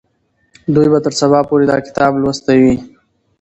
دوی به تر سبا پورې دا کتاب لوستی وي.